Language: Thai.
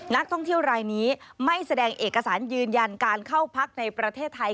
นักท่องเที่ยวรายนี้ไม่แสดงเอกสารยืนยันการเข้าพักในประเทศไทย